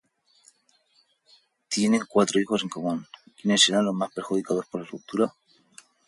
Tienen cuatro hijos en común, quienes serán los más perjudicados por la ruptura.